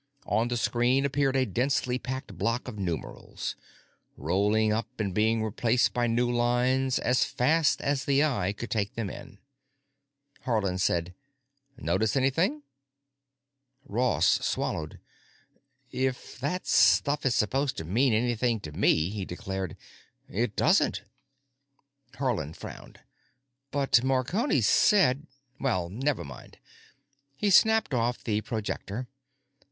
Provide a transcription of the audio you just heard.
On the screen appeared a densely packed block of numerals, rolling up and being replaced by new lines as fast as the eye could take them in. Haarland said, "Notice anything?" Ross swallowed. "If that stuff is supposed to mean anything to me," he declared, "it doesn't." Haarland frowned. "But Marconi said——Well, never mind." He snapped off the projector.